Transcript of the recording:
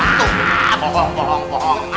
itu adalah bohong